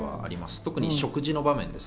特に食事の場面です。